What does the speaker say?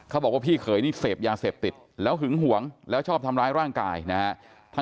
เขาบอกว่าพี่เขยนี่เสพยาเสพติดแล้วหึงหวงแล้วชอบทำร้ายร่างกายนะฮะ